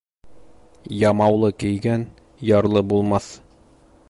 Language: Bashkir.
Ямаулы кейгән ярлы булмаҫ.